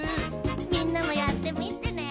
みんなもやってみてね！